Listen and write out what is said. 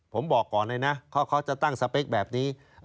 ผมบอกก่อนเลยนะเขาจะตั้งสเปคแบบนี้